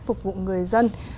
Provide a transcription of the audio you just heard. phục vụ người dân